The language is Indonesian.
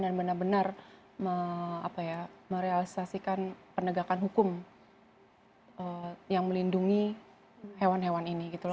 dan benar benar merealisasikan penegakan hukum yang melindungi hewan hewan ini gitu loh